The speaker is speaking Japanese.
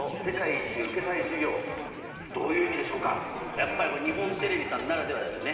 やっぱり、日本テレビさんならではですよね。